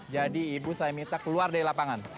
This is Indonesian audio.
jadi ibu saya minta keluar dari lapangan